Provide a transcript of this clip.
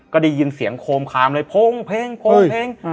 ก็ได้ยินเสียงโคมคามเลยโพงเพลงโพงเพลง